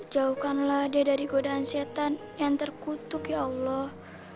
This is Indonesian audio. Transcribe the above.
jauhkanlah dia dari godaan setan yang terkutuk ya allah